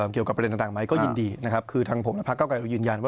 เกี่ยวกับประเด็นต่างไหมก็ยินดีนะครับคือทางผมและพระเก้าไกรก็ยืนยันว่า